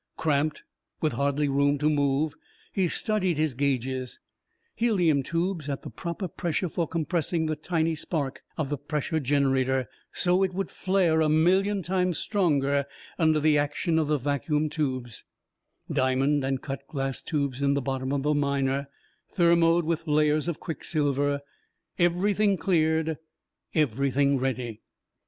Cramped, with hardly room to move, he studied his gages. Helium tubes at the proper pressure for compressing the tiny spark of the pressure generator, so it would flare a million times stronger under the action of the vacuum tubes: diamond and cut glass tubes in the bottom of the Miner, thermoed with layers of quicksilver: everything cleared, everything ready.